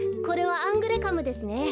これはアングレカムですね。